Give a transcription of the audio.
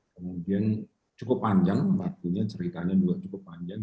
kemudian cukup panjang waktunya ceritanya juga cukup panjang